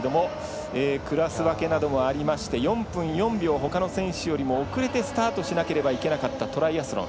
クラス分けなどもありまして４分４秒ほかの選手よりも遅れてスタートしなければいけなかったトライアスロン。